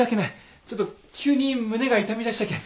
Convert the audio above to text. ちょっと急に胸が痛みだしたけん。